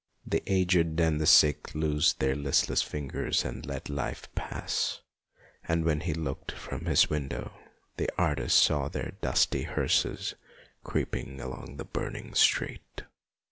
The aged and the sick loosed their listless fingers and let life pass, and when he looked from his window the artist saw their dusty hearses creeping along the burning street.